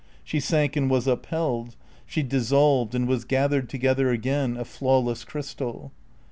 She sank and was upheld; she dissolved and was gathered together again, a flawless crystal.